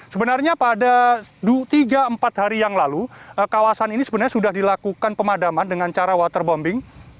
sebenarnya pada tiga empat hari yang lalu kawasan ini sebenarnya sudah dilakukan pemadaman dengan cara waterbombing